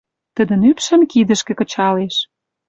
Тӹдӹн ӱпшӹм кидӹшкӹ кычалеш